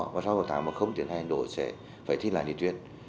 và sau sáu tháng mà không tiến hành đổi sẽ phải thích lại lý thuyết